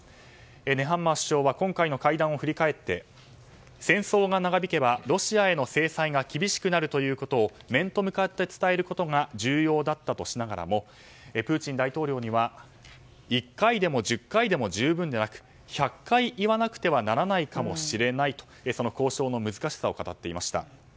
ネハンマー首相は今回の会談を振り返って戦争が長引けばロシアへの制裁が厳しくなるということを面と向かって伝えることが重要だったとしながらもプーチン大統領には１回でも１０回でも十分ではなく１００回言わなくてはならないかもしれないとその交渉の難しさを語っていました。